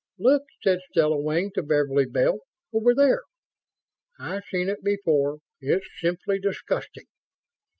IV "Look," said Stella Wing to Beverly Bell. "Over there." "I've seen it before. It's simply disgusting."